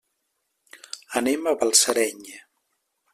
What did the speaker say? Anem a Balsareny.